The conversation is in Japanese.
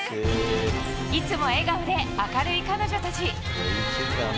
いつも笑顔で明るい彼女たち。